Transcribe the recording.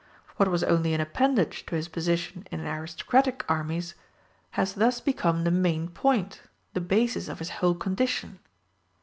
What was only an appendage to his position in aristocratic armies, has thus become the main point, the basis of his whole condition.